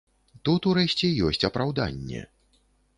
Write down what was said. Тут, урэшце, ёсць апраўданне.